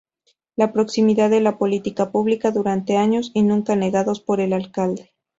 La proximidad a la política pública durante años y nunca negados por el alcalde.